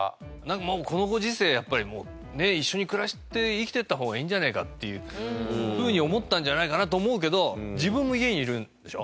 もうこのご時世やっぱり一緒に暮らして生きていった方がいいんじゃねえかっていうふうに思ったんじゃないかなと思うけど自分も家にいるでしょ？